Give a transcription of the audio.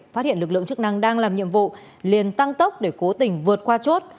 phát hiện lực lượng chức năng đang làm nhiệm vụ liền tăng tốc để cố tình vượt qua chốt